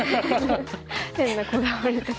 変なこだわりとか。